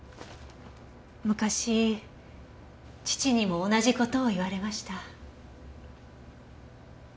昔父にも同じ事を言われました。